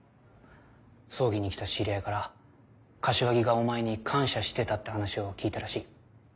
葬儀に来た知り合いから柏木がお前に感謝してたって話を聞いたらしい。